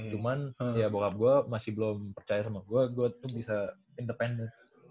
cuman ya bokap gua masih belum percaya sama gua gua tuh bisa independen